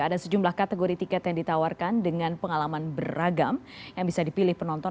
ada sejumlah kategori tiket yang ditawarkan dengan pengalaman beragam yang bisa dipilih penonton